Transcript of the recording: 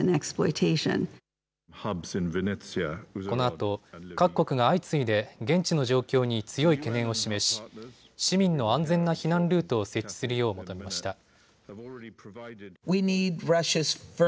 このあと各国が相次いで現地の状況に強い懸念を示し市民の安全な避難ルートを設置するよう求めました。